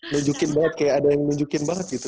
nunjukin banget kayak ada yang nunjukin banget gitu